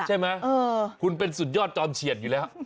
ใช่ไหมคุณเป็นสุดยอดจอมเฉียดอยู่แล้ว